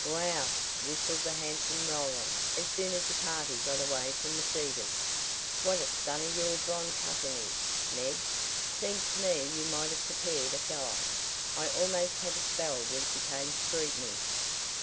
"Whew!" whistled the handsome Roland as soon as the party got away from The Cedars. "What a stunner your blonde cousin is, Ned! Seems to me you might have prepared a fellow. I almost had a spell when she came to greet me."